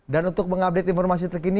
dan untuk mengupdate informasi terbaru